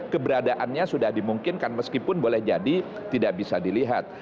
keberadaannya sudah dimungkinkan meskipun boleh jadi tidak bisa dilihat